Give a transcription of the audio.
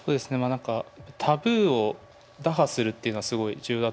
何かタブーを打破するっていうのはすごい重要だと思っていて。